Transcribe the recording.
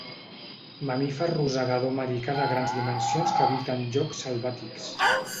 Mamífer rosegador americà de grans dimensions que habita en llocs selvàtics.